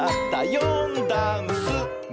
「よんだんす」「め」！